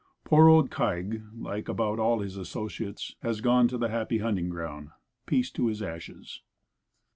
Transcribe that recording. Poor old "Kaig," like about all his associates has gone to the "Happy Hunting Ground." Peace to his ashes.